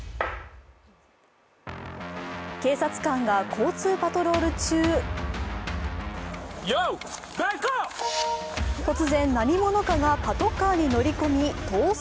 警察官が交通パトロール中突然、何者かがパトカーに乗り込み逃走。